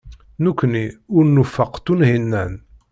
Nekkni ur nwufeq Tunhinan.